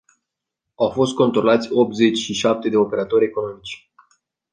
Au fost controlați optzeci și șapte de operatori economici.